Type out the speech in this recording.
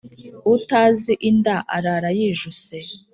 Utazi inda arara yijuse.